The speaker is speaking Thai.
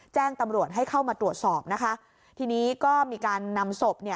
แจ้งตำรวจให้เข้ามาตรวจสอบนะคะทีนี้ก็มีการนำศพเนี่ย